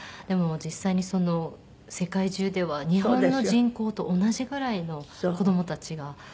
でも実際に世界中では日本の人口と同じぐらいの子供たちが。